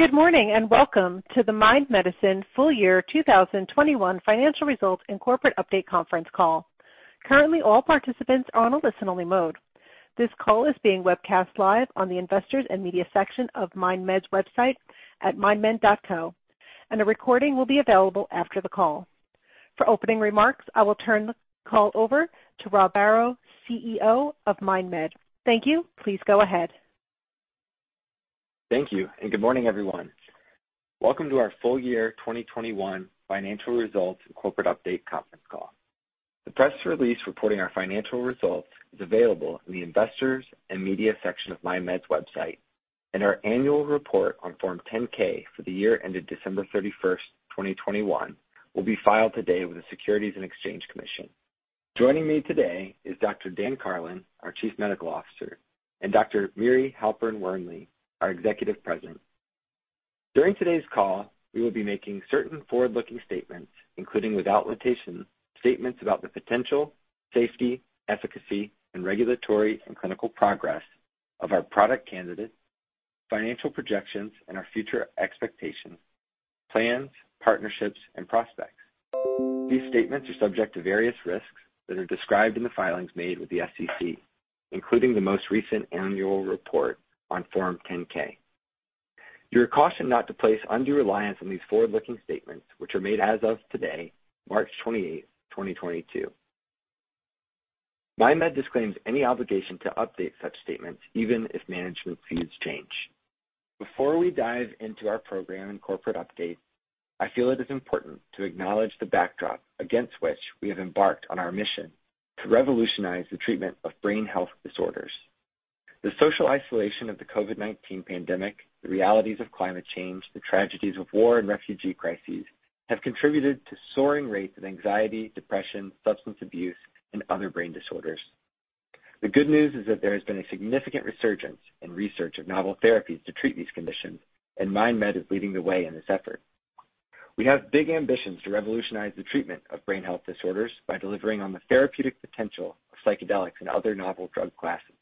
Good morning, and welcome to the MindMed full year 2021 financial results and corporate update conference call. Currently, all participants are on a listen-only mode. This call is being webcast live on the Investors and Media section of MindMed's website at mindmed.co, and a recording will be available after the call. For opening remarks, I will turn the call over to Robert Barrow, CEO of MindMed. Thank you. Please go ahead. Thank you, and good morning, everyone. Welcome to our full year 2021 financial results and corporate update conference call. The press release reporting our financial results is available in the Investors and Media section of MindMed's website, and our annual report on Form 10-K for the year ended December 31, 2021 will be filed today with the Securities and Exchange Commission. Joining me today is Dr. Dan Karlin, our Chief Medical Officer, and Dr. Miri Halperin Wernli, our Executive President. During today's call, we will be making certain forward-looking statements, including, without limitation, statements about the potential, safety, efficacy, and regulatory and clinical progress of our product candidates, financial projections, and our future expectations, plans, partnerships, and prospects. These statements are subject to various risks that are described in the filings made with the SEC, including the most recent annual report on Form 10-K. You are cautioned not to place undue reliance on these forward-looking statements which are made as of today, March 28, 2022. MindMed disclaims any obligation to update such statements, even if management views change. Before we dive into our program and corporate update, I feel it is important to acknowledge the backdrop against which we have embarked on our mission to revolutionize the treatment of brain health disorders. The social isolation of the COVID-19 pandemic, the realities of climate change, the tragedies of war and refugee crises have contributed to soaring rates of anxiety, depression, substance abuse, and other brain disorders. The good news is that there has been a significant resurgence in research of novel therapies to treat these conditions, and MindMed is leading the way in this effort. We have big ambitions to revolutionize the treatment of brain health disorders by delivering on the therapeutic potential of psychedelics and other novel drug classes.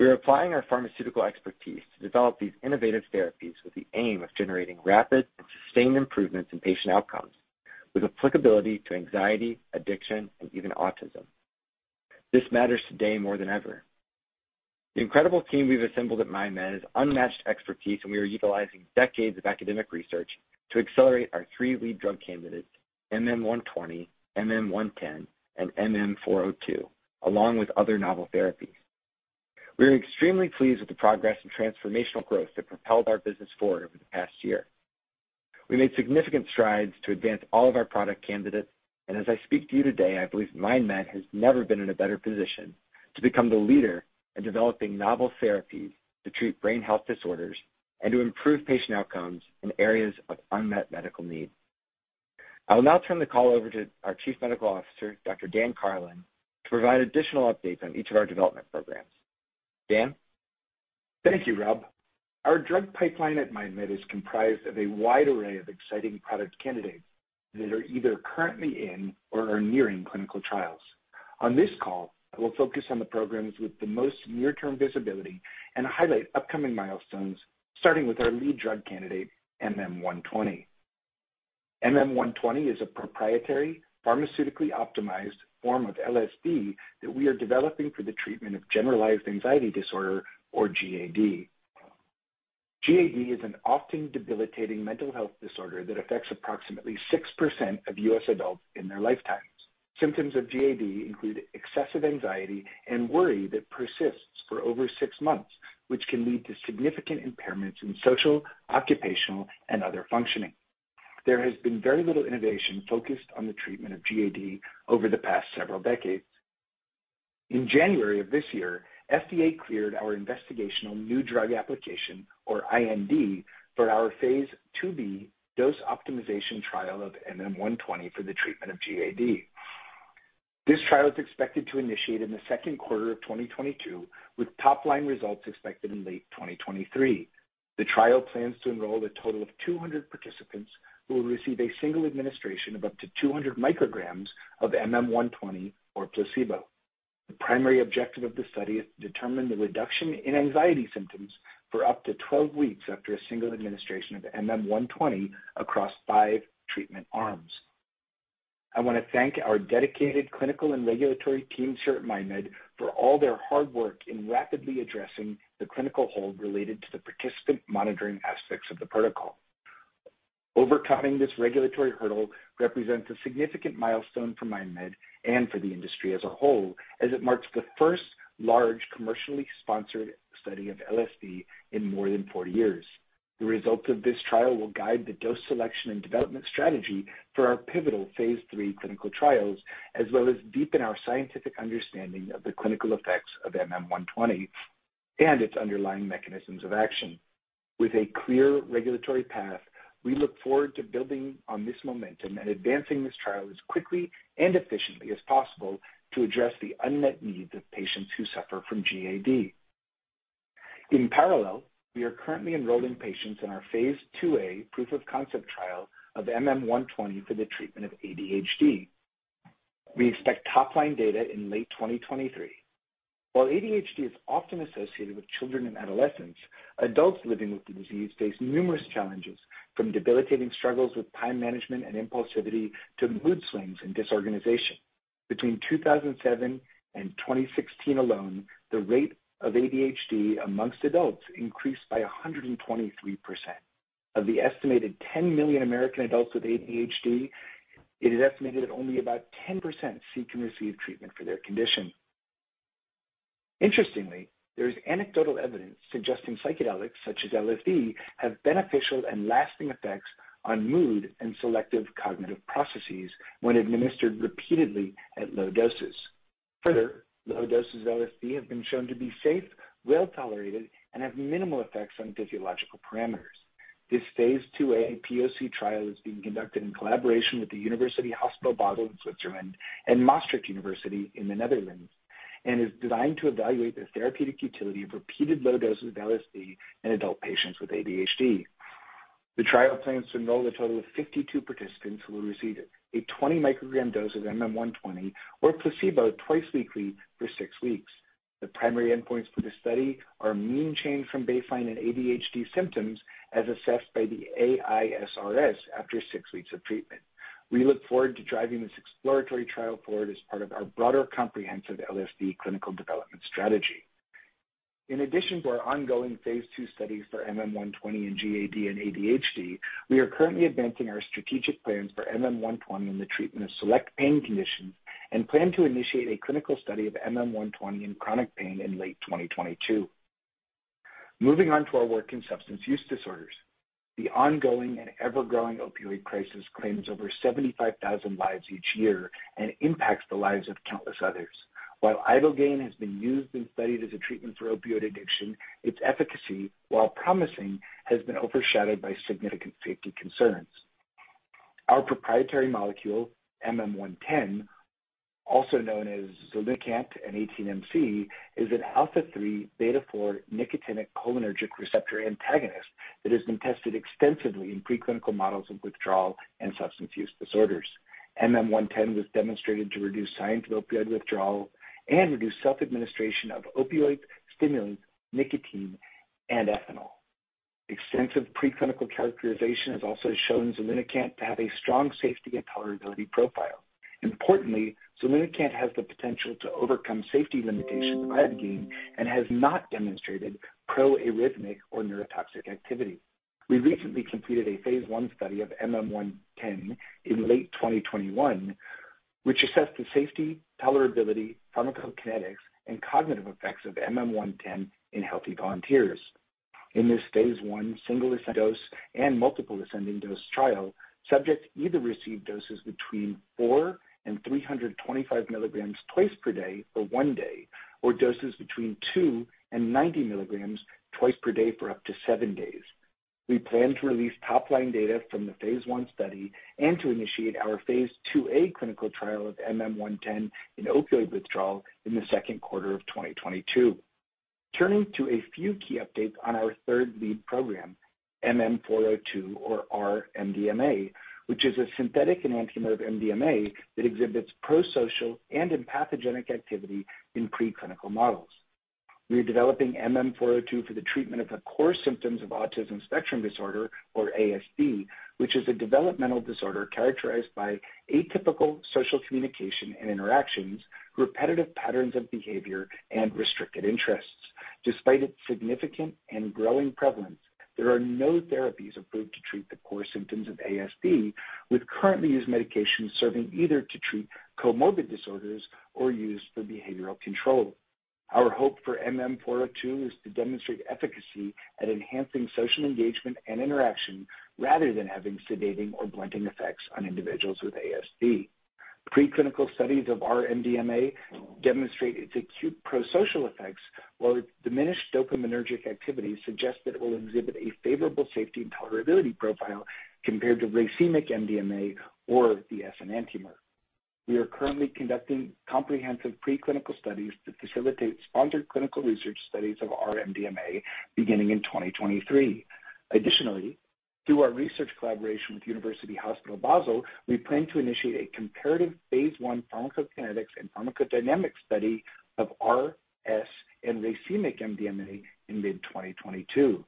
We are applying our pharmaceutical expertise to develop these innovative therapies with the aim of generating rapid and sustained improvements in patient outcomes, with applicability to anxiety, addiction, and even autism. This matters today more than ever. The incredible team we've assembled at MindMed has unmatched expertise, and we are utilizing decades of academic research to accelerate our three lead drug candidates, MM-120, MM-110, and MM-402, along with other novel therapies. We are extremely pleased with the progress and transformational growth that propelled our business forward over the past year. We made significant strides to advance all of our product candidates, and as I speak to you today, I believe MindMed has never been in a better position to become the leader in developing novel therapies to treat brain health disorders and to improve patient outcomes in areas of unmet medical need. I will now turn the call over to our Chief Medical Officer, Dr. Dan Karlin, to provide additional updates on each of our development programs. Dan? Thank you, Rob. Our drug pipeline at MindMed is comprised of a wide array of exciting product candidates that are either currently in or are nearing clinical trials. On this call, I will focus on the programs with the most near-term visibility and highlight upcoming milestones, starting with our lead drug candidate, MM-120. MM-120 is a proprietary pharmaceutically optimized form of LSD that we are developing for the treatment of generalized anxiety disorder, or GAD. GAD is an often debilitating mental health disorder that affects approximately 6% of U.S. adults in their lifetimes. Symptoms of GAD include excessive anxiety and worry that persists for over six months, which can lead to significant impairments in social, occupational, and other functioning. There has been very little innovation focused on the treatment of GAD over the past several decades. In January of this year, FDA cleared our investigational new drug application, or IND, for our phase IIb dose optimization trial of MM-120 for the treatment of GAD. This trial is expected to initiate in the second quarter of 2022, with top line results expected in late 2023. The trial plans to enroll a total of 200 participants who will receive a single administration of up to 200 micrograms of MM-120 or placebo. The primary objective of the study is to determine the reduction in anxiety symptoms for up to 12 weeks after a single administration of MM-120 across 5 treatment arms. I wanna thank our dedicated clinical and regulatory teams here at MindMed for all their hard work in rapidly addressing the clinical hold related to the participant monitoring aspects of the protocol. Overcoming this regulatory hurdle represents a significant milestone for MindMed and for the industry as a whole, as it marks the first large commercially sponsored study of LSD in more than 40 years. The results of this trial will guide the dose selection and development strategy for our pivotal phase III clinical trials, as well as deepen our scientific understanding of the clinical effects of MM-120 and its underlying mechanisms of action. With a clear regulatory path, we look forward to building on this momentum and advancing this trial as quickly and efficiently as possible to address the unmet needs of patients who suffer from GAD. In parallel, we are currently enrolling patients in our phase IIa proof of concept trial of MM-120 for the treatment of ADHD. We expect top-line data in late 2023. While ADHD is often associated with children and adolescents, adults living with the disease face numerous challenges, from debilitating struggles with time management and impulsivity to mood swings and disorganization. Between 2007 and 2016 alone, the rate of ADHD among adults increased by 123%. Of the estimated 10 million American adults with ADHD, it is estimated that only about 10% seek and receive treatment for their condition. Interestingly, there is anecdotal evidence suggesting psychedelics such as LSD have beneficial and lasting effects on mood and selective cognitive processes when administered repeatedly at low doses. Further, low doses of LSD have been shown to be safe, well tolerated, and have minimal effects on physiological parameters. This phase IIa POC trial is being conducted in collaboration with the University Hospital Basel in Switzerland and Maastricht University in the Netherlands, and is designed to evaluate the therapeutic utility of repeated low doses of LSD in adult patients with ADHD. The trial plans to enroll a total of 52 participants who will receive a 20-microgram dose of MM-120 or placebo twice weekly for six weeks. The primary endpoints for this study are mean change from baseline in ADHD symptoms as assessed by the AISRS after six weeks of treatment. We look forward to driving this exploratory trial forward as part of our broader comprehensive LSD clinical development strategy. In addition to our ongoing phase II studies for MM-120 in GAD and ADHD, we are currently advancing our strategic plans for MM-120 in the treatment of select pain conditions and plan to initiate a clinical study of MM-120 in chronic pain in late 2022. Moving on to our work in substance use disorders. The ongoing and ever-growing opioid crisis claims over 75,000 lives each year and impacts the lives of countless others. While ibogaine has been used and studied as a treatment for opioid addiction, its efficacy, while promising, has been overshadowed by significant safety concerns. Our proprietary molecule, MM-110, also known as zolunicant and 18-MC, is an α3β4 nicotinic cholinergic receptor antagonist that has been tested extensively in preclinical models of withdrawal and substance use disorders. MM-110 was demonstrated to reduce signs of opioid withdrawal and reduce self-administration of opioids, stimulants, nicotine, and ethanol. Extensive preclinical characterization has also shown zolunicant to have a strong safety and tolerability profile. Importantly, zolunicant has the potential to overcome safety limitations of ibogaine and has not demonstrated pro-arrhythmic or neurotoxic activity. We recently completed a phase I study of MM-110 in late 2021, which assessed the safety, tolerability, pharmacokinetics, and cognitive effects of MM-110 in healthy volunteers. In this phase I single ascending dose and multiple ascending dose trial, subjects either received doses between 4 and 325 milligrams twice per day for one day, or doses between 2 and 90 milligrams twice per day for up to 7 days. We plan to release top-line data from the phase I study and to initiate our phase IIa clinical trial of MM-110 in opioid withdrawal in the second quarter of 2022. Turning to a few key updates on our third lead program, MM-402 or R-MDMA, which is a synthetic, an enantiomer of MDMA that exhibits prosocial and empathogenic activity in preclinical models. We are developing MM-402 for the treatment of the core symptoms of autism spectrum disorder or ASD, which is a developmental disorder characterized by atypical social communication and interactions, repetitive patterns of behavior, and restricted interests. Despite its significant and growing prevalence, there are no therapies approved to treat the core symptoms of ASD with currently used medications serving either to treat comorbid disorders or used for behavioral control. Our hope for MM-402 is to demonstrate efficacy at enhancing social engagement and interaction rather than having sedating or blunting effects on individuals with ASD. Preclinical studies of R-MDMA demonstrate its acute prosocial effects while its diminished dopaminergic activity suggests that it will exhibit a favorable safety and tolerability profile compared to racemic MDMA or the S enantiomer. We are currently conducting comprehensive preclinical studies to facilitate sponsored clinical research studies of R-MDMA beginning in 2023. Additionally, through our research collaboration with University Hospital Basel, we plan to initiate a comparative phase I pharmacokinetics and pharmacodynamics study of R, S, and racemic MDMA in mid-2022.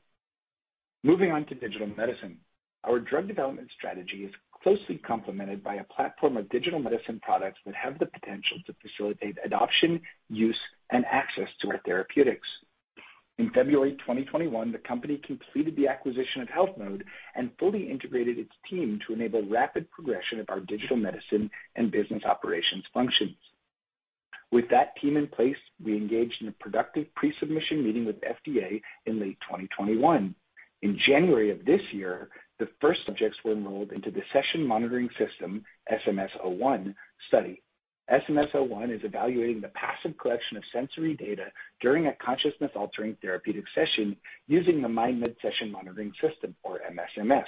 Moving on to digital medicine. Our drug development strategy is closely complemented by a platform of digital medicine products that have the potential to facilitate adoption, use, and access to our therapeutics. In February 2021, the company completed the acquisition of HealthMode and fully integrated its team to enable rapid progression of our digital medicine and business operations functions. With that team in place, we engaged in a productive pre-submission meeting with FDA in late 2021. In January of this year, the first subjects were enrolled into the Session Monitoring System SMS-01 study. SMS-01 is evaluating the passive collection of sensory data during a consciousness altering therapeutic session using the MindMed Session Monitoring System or MSMS.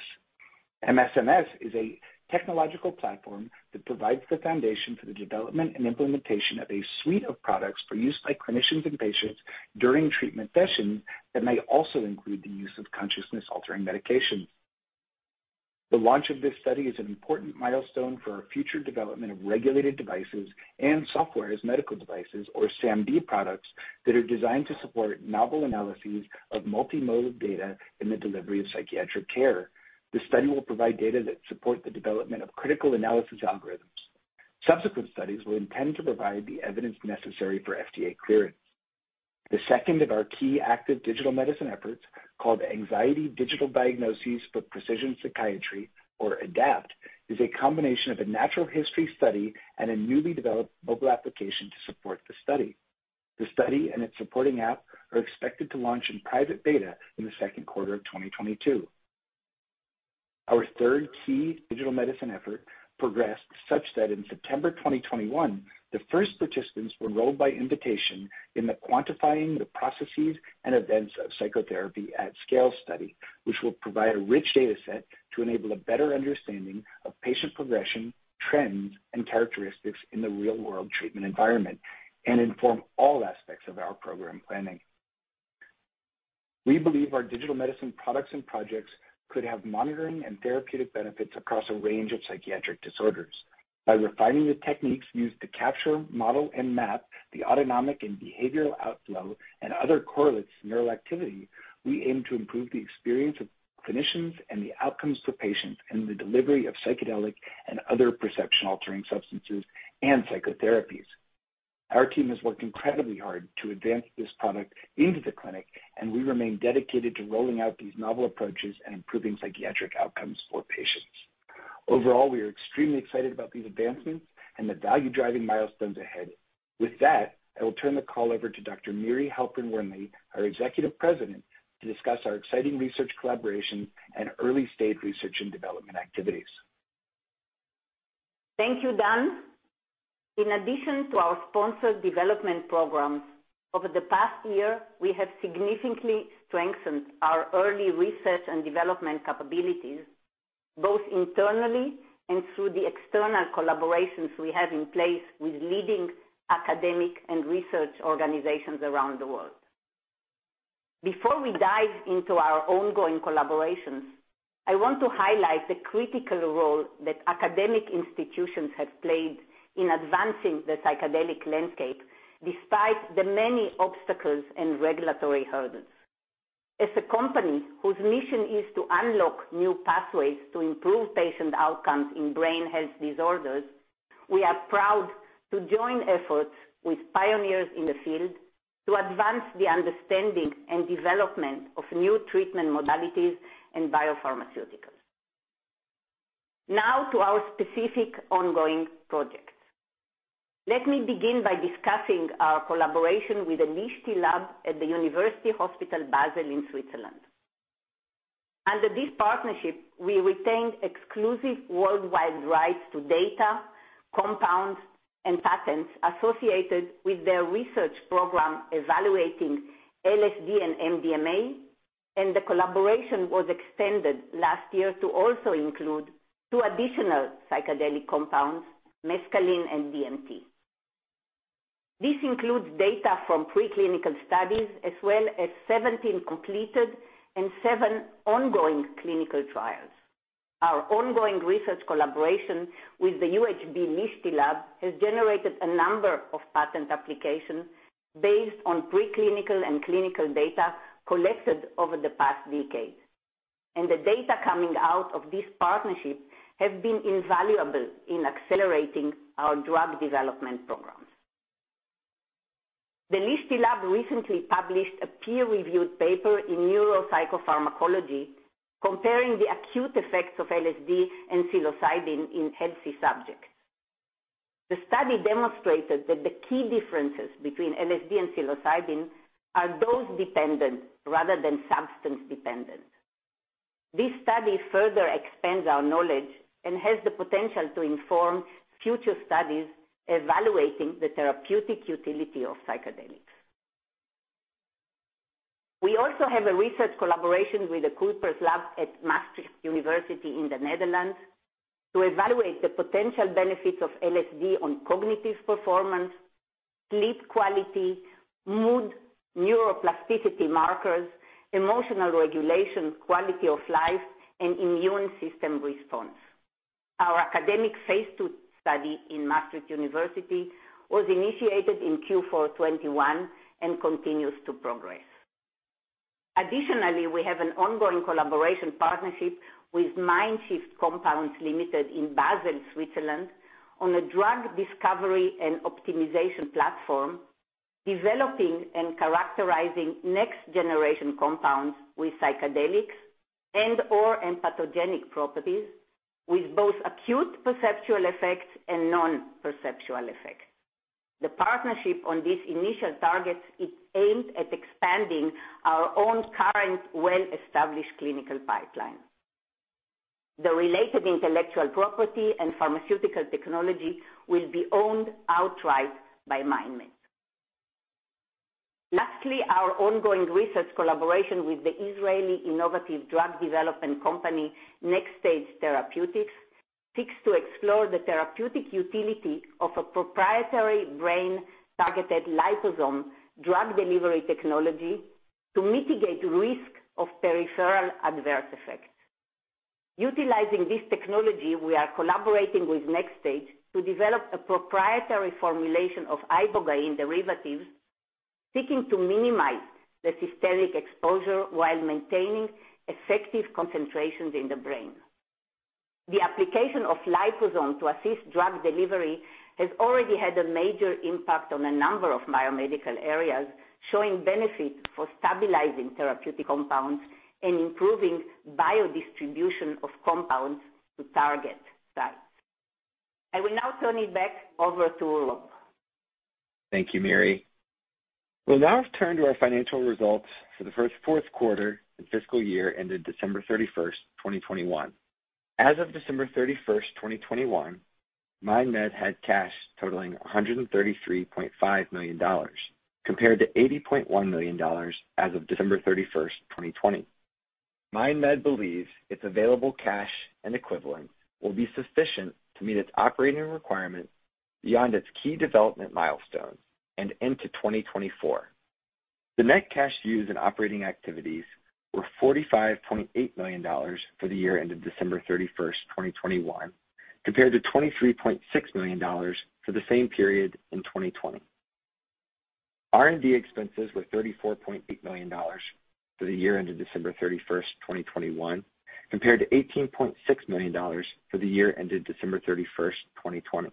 MSMS is a technological platform that provides the foundation for the development and implementation of a suite of products for use by clinicians and patients during treatment sessions that may also include the use of consciousness altering medications. The launch of this study is an important milestone for our future development of regulated devices and software as medical devices or SaMD products that are designed to support novel analyses of multimodal data in the delivery of psychiatric care. The study will provide data that support the development of critical analysis algorithms. Subsequent studies will intend to provide the evidence necessary for FDA clearance. The second of our key active digital medicine efforts, called Anxiety Digital Diagnoses for Precision Psychiatry, or ADDAPT, is a combination of a natural history study and a newly developed mobile application to support the study. The study and its supporting app are expected to launch in private beta in the second quarter of 2022. Our third key digital medicine effort progressed such that in September 2021, the first participants were enrolled by invitation in the Quantifying the Processes and Events of Psychotherapy at Scale study, which will provide a rich data set to enable a better understanding of patient progression, trends, and characteristics in the real-world treatment environment and inform all aspects of our program planning. We believe our digital medicine products and projects could have monitoring and therapeutic benefits across a range of psychiatric disorders. By refining the techniques used to capture, model, and map the autonomic and behavioral outflow and other correlates of neural activity, we aim to improve the experience of clinicians and the outcomes for patients in the delivery of psychedelic and other perception-altering substances and psychotherapies. Our team has worked incredibly hard to advance this product into the clinic, and we remain dedicated to rolling out these novel approaches and improving psychiatric outcomes for patients. Overall, we are extremely excited about these advancements and the value-driving milestones ahead. With that, I will turn the call over to Dr. Miri Halpern-Wernli, our Executive President, to discuss our exciting research collaborations and early-stage research and development activities. Thank you, Dan. In addition to our sponsored development programs, over the past year, we have significantly strengthened our early research and development capabilities, both internally and through the external collaborations we have in place with leading academic and research organizations around the world. Before we dive into our ongoing collaborations, I want to highlight the critical role that academic institutions have played in advancing the psychedelic landscape despite the many obstacles and regulatory hurdles. As a company whose mission is to unlock new pathways to improve patient outcomes in brain health disorders, we are proud to join efforts with pioneers in the field to advance the understanding and development of new treatment modalities and biopharmaceuticals. Now to our specific ongoing projects. Let me begin by discussing our collaboration with the Liechti Lab at the University Hospital Basel in Switzerland. Under this partnership, we retained exclusive worldwide rights to data, compounds, and patents associated with their research program evaluating LSD and MDMA, and the collaboration was extended last year to also include 2 additional psychedelic compounds, mescaline and DMT. This includes data from preclinical studies as well as 17 completed and 7 ongoing clinical trials. Our ongoing research collaboration with the UHB Liechti Lab has generated a number of patent applications based on preclinical and clinical data collected over the past decade. The data coming out of this partnership have been invaluable in accelerating our drug development programs. The Liechti Lab recently published a peer-reviewed paper in Neuropsychopharmacology comparing the acute effects of LSD and psilocybin in healthy subjects. The study demonstrated that the key differences between LSD and psilocybin are dose-dependent rather than substance-dependent. This study further expands our knowledge and has the potential to inform future studies evaluating the therapeutic utility of psychedelics. We also have a research collaboration with the Kuypers Lab at Maastricht University in the Netherlands to evaluate the potential benefits of LSD on cognitive performance, sleep quality, mood, neuroplasticity markers, emotional regulation, quality of life, and immune system response. Our academic phase II study in Maastricht University was initiated in Q4 2021 and continues to progress. Additionally, we have an ongoing collaboration partnership with MindShift Compounds AG in Basel, Switzerland, on a drug discovery and optimization platform, developing and characterizing next-generation compounds with psychedelics and/or empathogenic properties with both acute perceptual effects and non-perceptual effects. The partnership on these initial targets is aimed at expanding our own current well-established clinical pipeline. The related intellectual property and pharmaceutical technology will be owned outright by MindMed. Lastly, our ongoing research collaboration with the Israeli innovative drug development company, Nextage Therapeutics, seeks to explore the therapeutic utility of a proprietary brain targeted liposome drug delivery technology to mitigate risk of peripheral adverse effects. Utilizing this technology, we are collaborating with Nextage to develop a proprietary formulation of ibogaine derivatives, seeking to minimize the systemic exposure while maintaining effective concentrations in the brain. The application of liposome to assist drug delivery has already had a major impact on a number of biomedical areas, showing benefits for stabilizing therapeutic compounds and improving biodistribution of compounds to target sites. I will now turn it back over to Rob Barrow. Thank you, Miri. We'll now turn to our financial results for the fourth quarter and fiscal year ended December 31, 2021. As of December 31, 2021, MindMed had cash totaling $133.5 million compared to $80.1 million as of December 31, 2020. MindMed believes its available cash and equivalents will be sufficient to meet its operating requirements beyond its key development milestones and into 2024. The net cash used in operating activities were $45.8 million for the year ended December 31, 2021, compared to $23.6 million for the same period in 2020. R&D expenses were $34.8 million for the year ended December 31, 2021, compared to $18.6 million for the year ended December 31, 2020.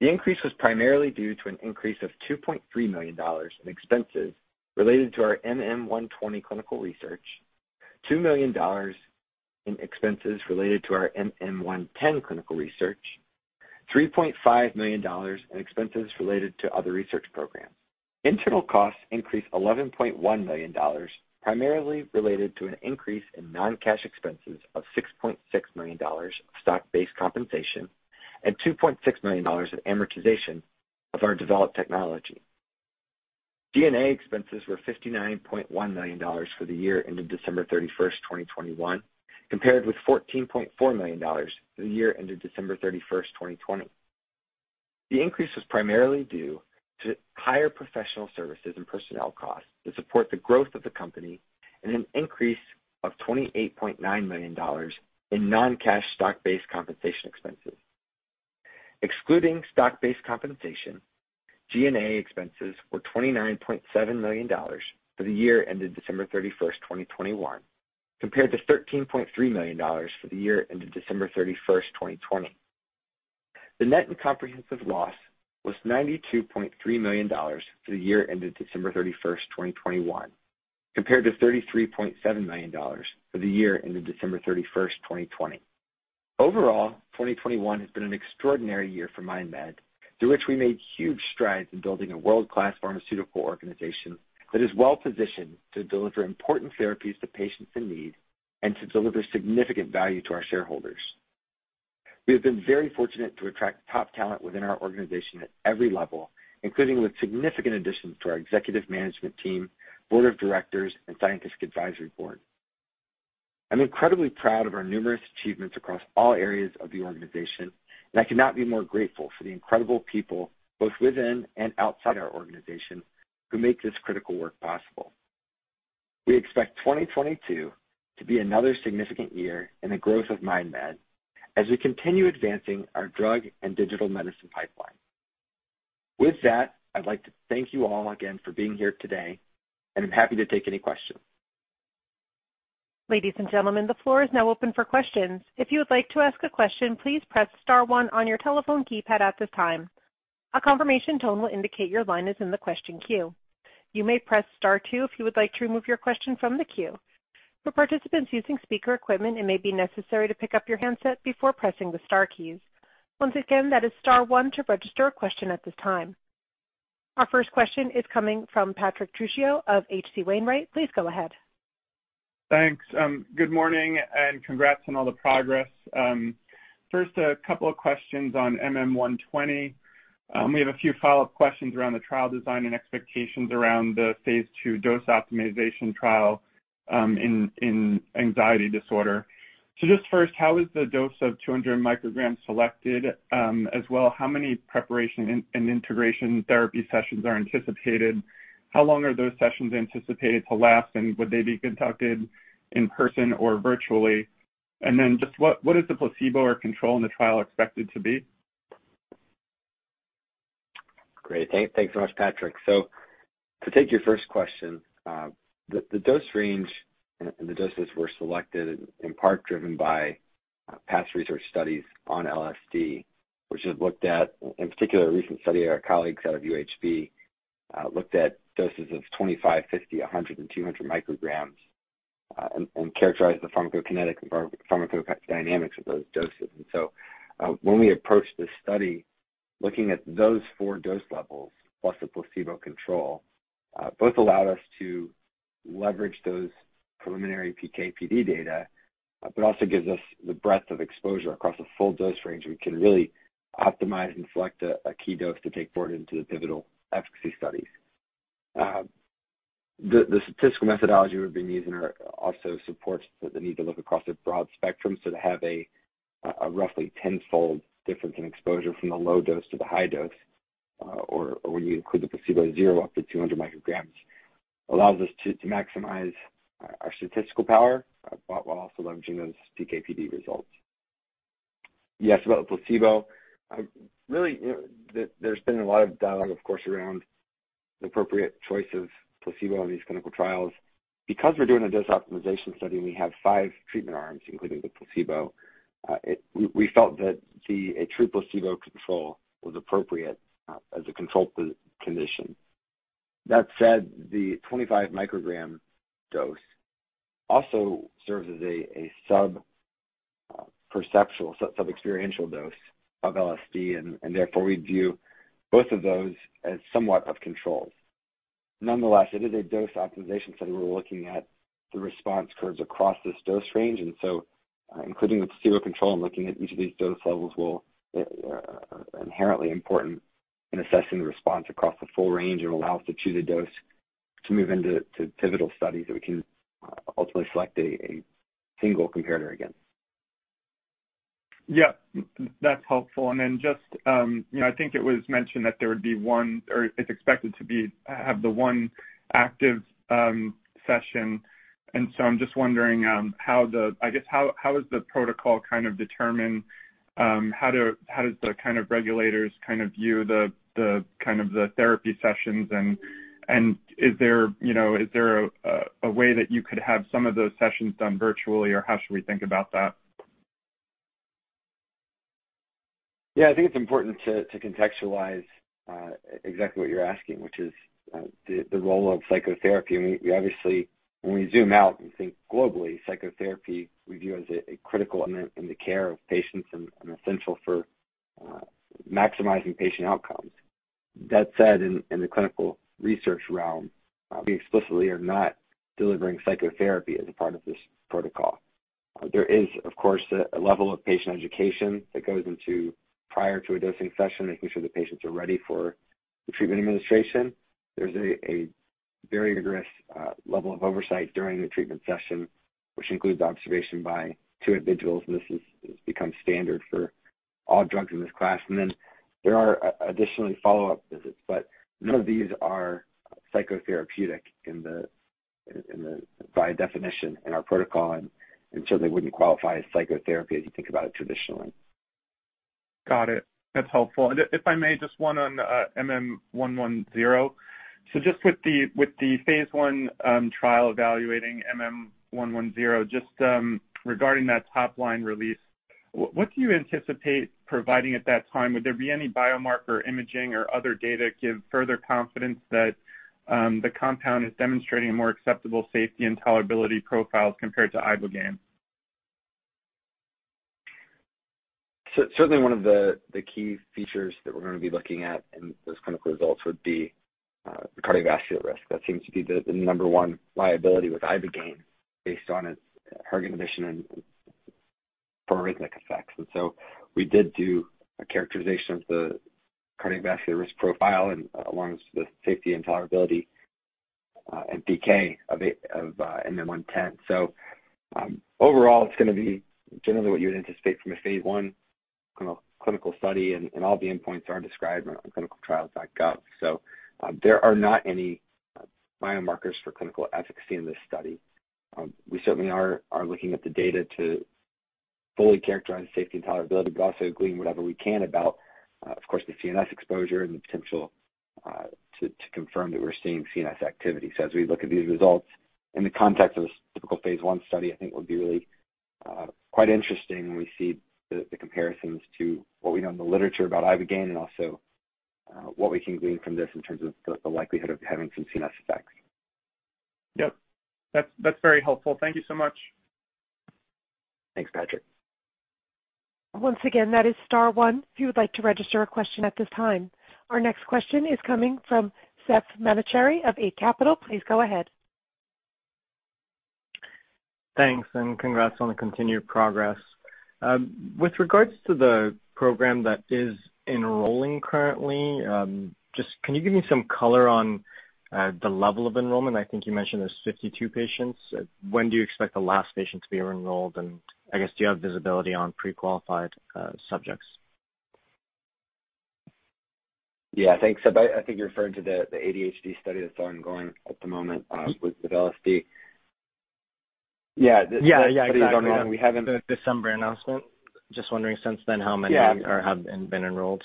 The increase was primarily due to an increase of $2.3 million in expenses related to our MM-120 clinical research, $2 million in expenses related to our MM-110 clinical research, $3.5 million in expenses related to other research programs. Internal costs increased $11.1 million, primarily related to an increase in non-cash expenses of $6.6 million of stock-based compensation and $2.6 million in amortization of our developed technology. G&A expenses were $59.1 million for the year ended December 31, 2021, compared with $14.4 million for the year ended December 31, 2020. The increase was primarily due to higher professional services and personnel costs to support the growth of the company and an increase of $28.9 million in non-cash stock-based compensation expenses. Excluding stock-based compensation, G&A expenses were $29.7 million for the year ended December 31, 2021, compared to $13.3 million for the year ended December 31, 2020. The net comprehensive loss was $92.3 million for the year ended December 31, 2021, compared to $33.7 million for the year ended December 31, 2020. Overall, 2021 has been an extraordinary year for MindMed, through which we made huge strides in building a world class pharmaceutical organization that is well positioned to deliver important therapies to patients in need and to deliver significant value to our shareholders. We have been very fortunate to attract top talent within our organization at every level, including with significant additions to our executive management team, board of directors, and scientific advisory board. I'm incredibly proud of our numerous achievements across all areas of the organization, and I cannot be more grateful for the incredible people both within and outside our organization who make this critical work possible. We expect 2022 to be another significant year in the growth of MindMed as we continue advancing our drug and digital medicine pipeline. With that, I'd like to thank you all again for being here today, and I'm happy to take any questions. Ladies and gentlemen, the floor is now open for questions. If you would like to ask a question, please press star one on your telephone keypad at this time. A confirmation tone will indicate your line is in the question queue. You may press star two if you would like to remove your question from the queue. For participants using speaker equipment, it may be necessary to pick up your handset before pressing the star keys. Once again, that is star one to register a question at this time. Our first question is coming from Patrick Trucchio of H.C. Wainwright. Please go ahead. Thanks. Good morning and congrats on all the progress. First, a couple of questions on MM-120. We have a few follow-up questions around the trial design and expectations around the phase II dose optimization trial in anxiety disorder. Just first, how is the dose of 200 micrograms selected? As well, how many preparation and integration therapy sessions are anticipated? How long are those sessions anticipated to last, and would they be conducted in person or virtually? Then just what is the placebo or control in the trial expected to be? Great. Thanks so much, Patrick. To take your first question, the dose range and the doses were selected in part driven by past research studies on LSD, which have looked at, in particular, a recent study our colleagues out of UHB looked at doses of 25, 50, 100, and 200 micrograms, and characterized the pharmacokinetics and pharmacodynamics of those doses. When we approached this study, looking at those four dose levels plus the placebo control, both allowed us to leverage those preliminary PK/PD data, but also gives us the breadth of exposure across a full dose range we can really optimize and select a key dose to take forward into the pivotal efficacy studies. The statistical methodology we've been using also supports the need to look across a broad spectrum. To have a roughly tenfold difference in exposure from the low dose to the high dose, or when you include the placebo 0 up to 200 micrograms, allows us to maximize our statistical power, but while also leveraging those PK/PD results. Yes, about the placebo. Really, there's been a lot of dialogue, of course, around the appropriate choice of placebo in these clinical trials. Because we're doing a dose optimization study and we have five treatment arms, including the placebo, we felt that a true placebo control was appropriate, as a control condition. That said, the 25-microgram dose also serves as a sub-perceptual sub-experiential dose of LSD, and therefore we view both of those as somewhat of controls. Nonetheless, it is a dose optimization study, and we're looking at the response curves across this dose range. Including the placebo control and looking at each of these dose levels will be inherently important in assessing the response across the full range. It will allow us to choose a dose to move into pivotal studies that we can ultimately select a single comparator against. Yeah. That's helpful. Just, you know, I think it was mentioned that there would be one or it's expected to have the one active session, and so I'm just wondering, I guess how is the protocol kind of determine how does the kind of regulators kind of view the kind of therapy sessions and is there, you know, is there a way that you could have some of those sessions done virtually or how should we think about that? Yeah. I think it's important to contextualize exactly what you're asking, which is the role of psychotherapy. We obviously, when we zoom out and think globally, psychotherapy we view as a critical in the care of patients and essential for maximizing patient outcomes. That said, in the clinical research realm, we explicitly are not delivering psychotherapy as a part of this protocol. There is of course a level of patient education that goes into prior to a dosing session, making sure the patients are ready for the treatment administration. There's a very rigorous level of oversight during the treatment session, which includes observation by two individuals, and this has become standard for all drugs in this class. There are additionally follow-up visits, but none of these are psychotherapeutic in the, by definition, in our protocol and so they wouldn't qualify as psychotherapy as you think about it traditionally. Got it. That's helpful. If I may just one on MM-110. With the phase I trial evaluating MM-110, regarding that top line release, what do you anticipate providing at that time? Would there be any biomarker imaging or other data give further confidence that the compound is demonstrating a more acceptable safety and tolerability profiles compared to ibogaine? Certainly one of the key features that we're gonna be looking at in those clinical results would be the cardiovascular risk. That seems to be the number one liability with ibogaine based on its hERG inhibition and proarrhythmic effects. We did do a characterization of the cardiovascular risk profile and along with the safety and tolerability and PK of MM-110. Overall it's gonna be generally what you would anticipate from a phase I clinical study and all the endpoints are described on clinicaltrials.gov. There are not any biomarkers for clinical efficacy in this study. We certainly are looking at the data to fully characterize safety and tolerability, but also glean whatever we can about, of course, the CNS exposure and the potential to confirm that we're seeing CNS activity. As we look at these results in the context of a typical phase I study, I think it would be really, quite interesting when we see the comparisons to what we know in the literature about ibogaine and also, what we can glean from this in terms of the likelihood of having some CNS effects. Yep. That's very helpful. Thank you so much. Thanks, Patrick. Once again, that is star one if you would like to register a question at this time. Our next question is coming from Sepehr Manochehry of Eight Capital.. Please go ahead. Thanks and congrats on the continued progress. With regards to the program that is enrolling currently, just can you give me some color on the level of enrollment? I think you mentioned there's 52 patients. When do you expect the last patient to be enrolled? I guess, do you have visibility on pre-qualified subjects? Yeah. Thanks. I think you're referring to the ADHD study that's ongoing at the moment with LSD. Yeah. Yeah. Yeah, exactly. That study is ongoing. The December announcement. Just wondering since then how many- Yeah. have been enrolled.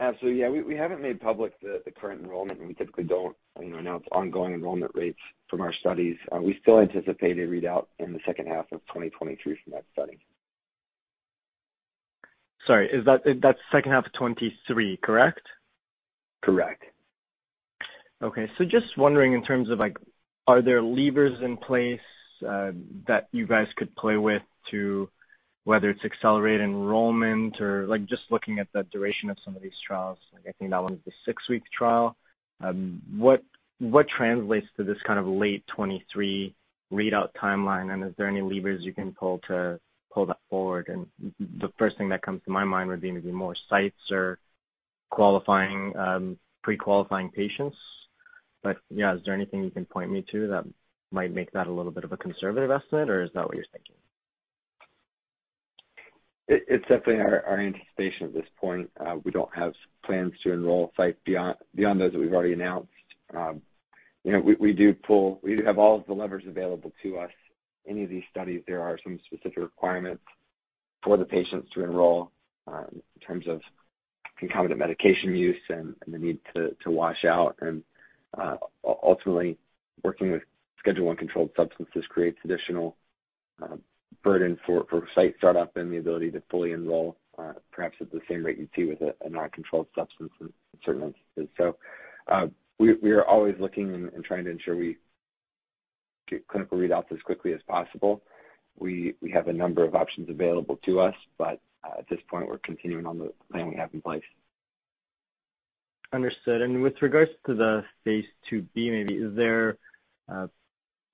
Absolutely. Yeah. We haven't made public the current enrollment, and we typically don't, you know, announce ongoing enrollment rates from our studies. We still anticipate a readout in the second half of 2023 from that study. Sorry, that's second half of 2023, correct? Correct. Okay. Just wondering in terms of like, are there levers in place that you guys could play with to whether it's accelerated enrollment or like just looking at the duration of some of these trials. I think that one was the six-week trial. What translates to this kind of late 2023 readout timeline? Is there any levers you can pull to pull that forward? The first thing that comes to my mind would be maybe more sites or qualifying pre-qualifying patients. Yeah. Is there anything you can point me to that might make that a little bit of a conservative estimate or is that what you're thinking? It's definitely our anticipation at this point. We don't have plans to enroll sites beyond those that we've already announced. You know, we have all of the levers available to us. Any of these studies, there are some specific requirements for the patients to enroll in terms of concomitant medication use and the need to wash out. Ultimately, working with Schedule I controlled substances creates additional burden for site startup and the ability to fully enroll, perhaps at the same rate you'd see with a non-controlled substance in certain instances. We are always looking and trying to ensure we get clinical readouts as quickly as possible. We have a number of options available to us, but at this point, we're continuing on the plan we have in place. Understood. With regards to the phase IIb, maybe is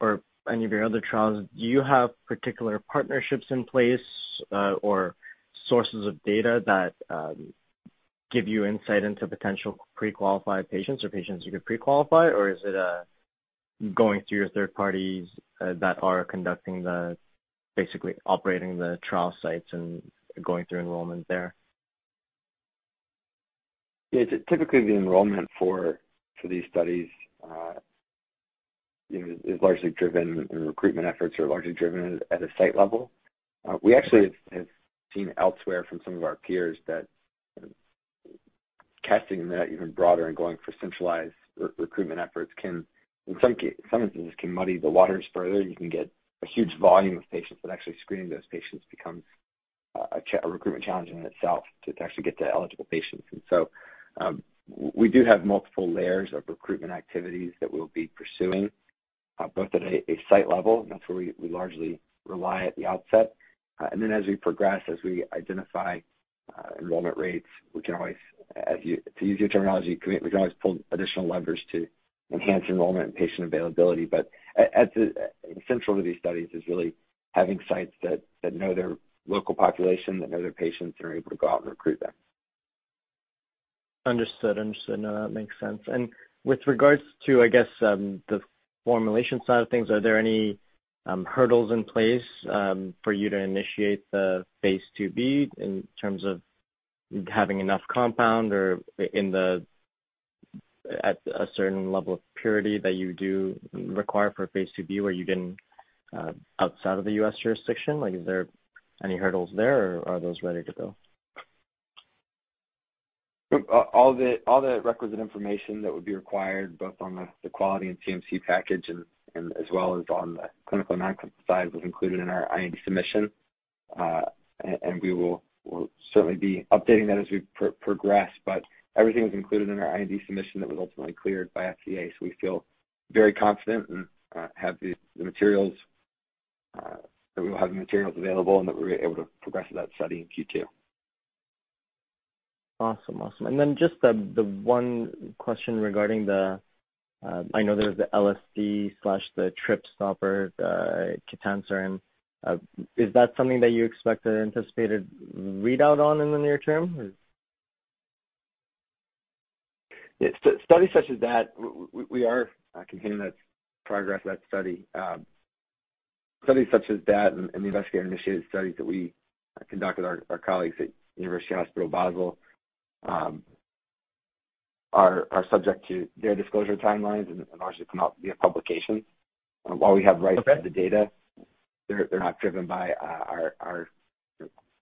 there or any of your other trials, do you have particular partnerships in place or sources of data that give you insight into potential pre-qualified patients or patients you could pre-qualify? Or is it going through your third parties that are conducting, basically operating, the trial sites and going through enrollment there? Yeah. Typically, the enrollment for these studies is largely driven and recruitment efforts are largely driven at a site level. We actually have seen elsewhere from some of our peers that casting the net even broader and going for centralized recruitment efforts can, in some instances, muddy the waters further. You can get a huge volume of patients, but actually screening those patients becomes a recruitment challenge in itself to actually get to eligible patients. We do have multiple layers of recruitment activities that we'll be pursuing both at a site level, and that's where we largely rely at the outset. Then as we progress, as we identify enrollment rates, we can always, to use your terminology, pull additional levers to enhance enrollment and patient availability. Central to these studies is really having sites that know their local population, that know their patients, and are able to go out and recruit them. Understood. No, that makes sense. With regards to, I guess, the formulation side of things, are there any hurdles in place for you to initiate the phase IIb in terms of having enough compound or at a certain level of purity that you do require for phase IIb, or you can outside of the U.S. jurisdiction? Like, is there any hurdles there, or are those ready to go? All the requisite information that would be required both on the quality and CMC package and as well as on the clinical and non-clinical side was included in our IND submission. We will certainly be updating that as we progress. Everything was included in our IND submission that was ultimately cleared by FDA. We feel very confident and have the materials available and that we'll be able to progress to that study in Q2. Awesome. Just one question. I know there's the LSD, the trip stopper, the ketanserin. Is that something that you expect an anticipated readout on in the near term? Yeah. Studies such as that, we are continuing the progress of that study. Studies such as that and the investigator-initiated studies that we conduct with our colleagues at University Hospital Basel are subject to their disclosure timelines and largely come out via publication. While we have rights to the data, they're not driven by our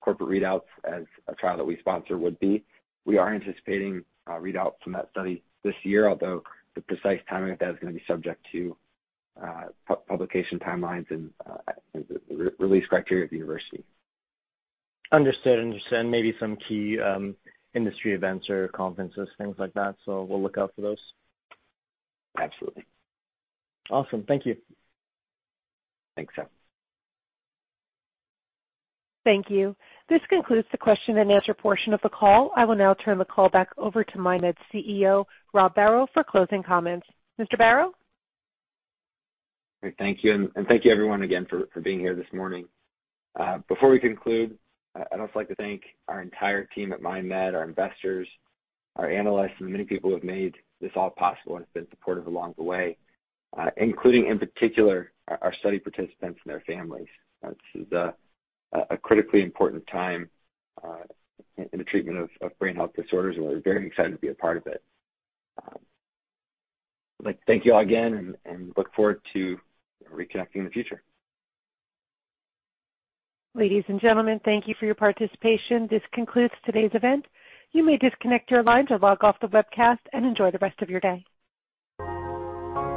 corporate readouts as a trial that we sponsor would be. We are anticipating a readout from that study this year, although the precise timing of that is gonna be subject to publication timelines and the re-release criteria at the university. Understood. Maybe some key industry events or conferences, things like that, so we'll look out for those. Absolutely. Awesome. Thank you. Thanks, Sep. Thank you. This concludes the question and answer portion of the call. I will now turn the call back over to MindMed's CEO, Robert Barrow, for closing comments. Mr. Barrow? Great. Thank you, and thank you everyone again for being here this morning. Before we conclude, I'd also like to thank our entire team at MindMed, our investors, our analysts, and the many people who have made this all possible and have been supportive along the way, including, in particular, our study participants and their families. This is a critically important time in the treatment of brain health disorders, and we're very excited to be a part of it. I'd like to thank you all again and look forward to reconnecting in the future. Ladies and gentlemen, thank you for your participation. This concludes today's event. You may disconnect your lines or log off the webcast and enjoy the rest of your day.